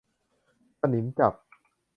สนิมจับ